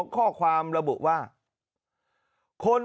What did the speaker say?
มีพฤติกรรมเสพเมถุนกัน